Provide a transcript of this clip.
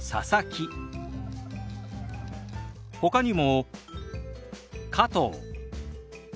ほかにも「加藤」。